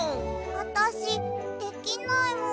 あたしできないもん。